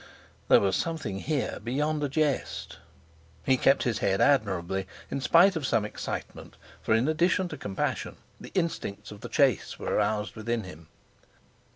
There was something here beyond a jest! He kept his head admirably, in spite of some excitement, for in addition to compassion, the instincts of the chase were roused within him.